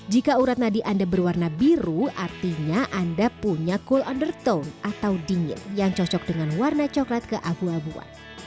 jika urat nadi anda berwarna biru artinya anda punya cool undertone atau dingin yang cocok dengan warna coklat keabu abuan